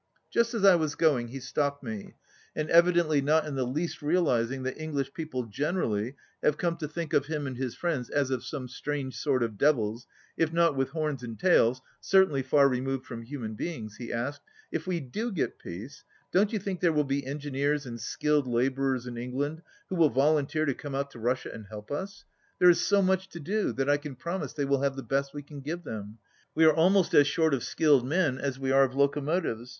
Just as I was going he stopped me, and evi dently not in the least realizing that English peo ple generally have come to think of him and his friends as of some strange sort of devils, if not with horns and tails, certainly far removed from human beings, he asked: — "If we 'do get peace, don't you think there will be engineers and skilled labourers in England who will volunteer to come out to Russia and help us*? There is so much to do that I can promise they will have the best we can give them. We are almost as short of skilled men as we are of locomotives.